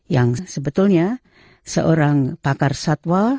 yang sebetulnya seorang pakar satwa